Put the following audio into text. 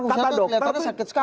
khususnya tuh ternyata sakit sekarang